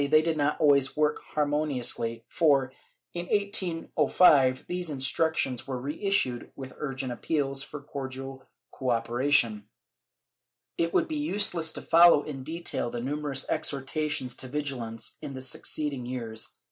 510 CENSORSHIP [Book VIII they did not always work harmoniously for, in 1805 these instruc tions were reissued with urgent appeals for cordial cooperation.^ It would be useless to follow in detail the numerous exhortations to vigUance in the succeeding years.